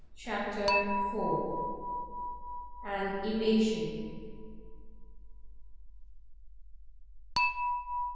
CHAPTER iv AN EVASION.